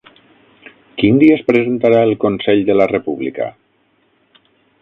Quin dia es presentarà el Consell de la República?